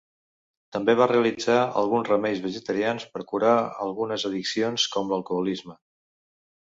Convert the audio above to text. També va realitzar alguns remeis vegetarians per curar algunes addiccions com l'alcoholisme.